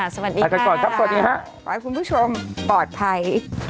สวัสดีค่ะสวัสดีค่ะขอให้คุณผู้ชมปลอดภัย